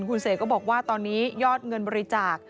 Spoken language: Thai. คุณเสกก็บอกว่าตอนนี้ยอดเงินบริจาค